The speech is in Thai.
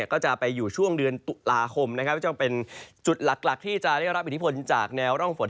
ก็จะไปอยู่ช่วงเดือนตุลาคมนะครับก็จะเป็นจุดหลักที่จะได้รับอิทธิพลจากแนวร่องฝน